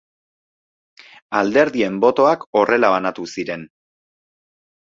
Alderdien botoak horrela banatu ziren.